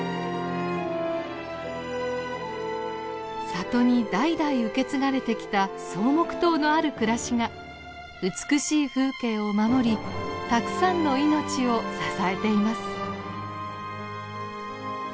里に代々受け継がれてきた草木塔のある暮らしが美しい風景を守りたくさんの命を支えています。